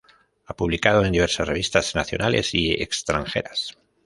Ha publicado en diversas revistas nacionales y extranjeras.